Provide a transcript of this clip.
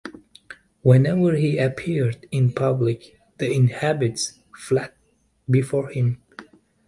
Whenever he appeared in public, the inhabits fled before him.